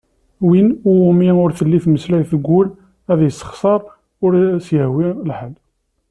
Win iwumi ur telli tmeslayt deg wul, ad yessexser ur as-yehwi lḥal.